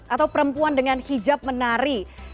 atau perempuan dengan hijab menari